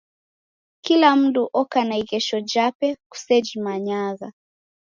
Kila umu oka na ighesho jape kusejimanyagha.